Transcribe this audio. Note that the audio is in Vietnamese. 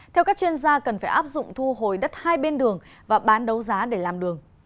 theo các chuyên gia cần phải áp dụng thu hồi đất hai bên đường và bán đấu giá để làm đường